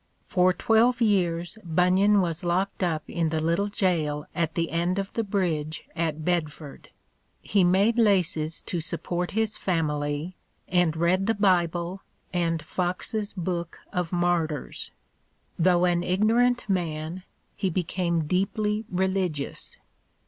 For twelve years Bunyan was locked up in the little jail at the end of the bridge at Bedford. He made laces to support his family, and read the Bible and Fox's Book of Martyrs. Though an ignorant man, he became deeply religious.